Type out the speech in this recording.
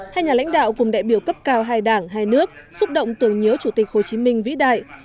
hai nhà lãnh đạo cùng đại biểu cấp cao hai đảng hai nước xúc động tưởng nhớ chủ tịch hồ chí minh vĩ đại